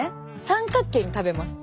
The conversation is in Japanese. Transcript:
三角形に食べます。